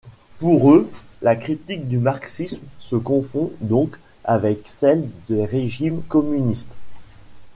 Pour eux, la critique du marxisme se confond donc avec celle des régimes communistes.